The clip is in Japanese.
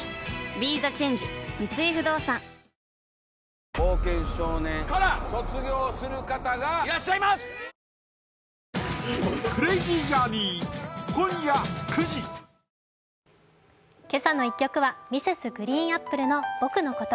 ＢＥＴＨＥＣＨＡＮＧＥ三井不動産「けさの１曲」はＭｒｓ．ＧＲＥＥＮＡＰＰＬＥの「僕のこと」